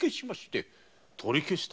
「取り消した」？